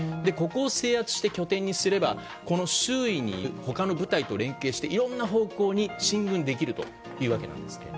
ここを制圧して拠点にすればこの周囲にいる他の部隊と連携していろんな方向に進軍できるというわけなんです。